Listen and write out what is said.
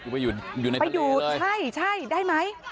ไปอยู่ในทะเลเลยใช่ได้ไหม